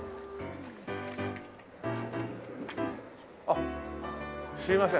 あっすいません。